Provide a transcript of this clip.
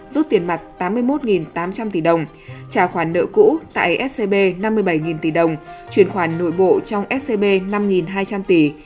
rút tiền mặt tám mươi một tám trăm linh tỷ đồng trả khoản nợ cũ tại scb năm mươi bảy tỷ đồng chuyển khoản nội bộ trong scb năm hai trăm linh tỷ